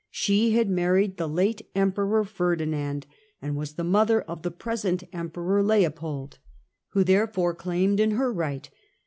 She had married cai®. the late Emperor Ferdinand, and was the mother of the present Emperor Leopold, who therefore claime<J in her right.